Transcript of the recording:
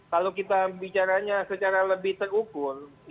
kalau kita bicaranya secara lebih terukur